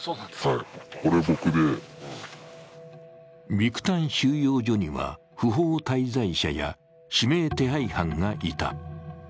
ビクタン収容所には不法滞在者や指名手配犯がいた。